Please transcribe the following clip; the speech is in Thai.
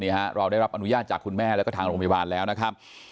เราได้รับอนุญาตจากคุณแม่แล้วก็ทางโรงพยาบาลแล้วนะครับ